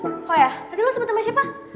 oh ya nanti lo sebut sama siapa